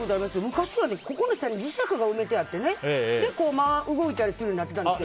昔はね、ここの下に磁石が埋めてあって動くようになってたんですよ。